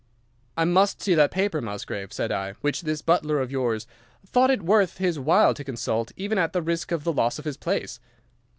"'I must see that paper, Musgrave,' said I, 'which this butler of yours thought it worth his while to consult, even at the risk of the loss of his place.